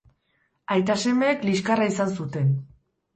Aita-semeek liskarra izan zuten.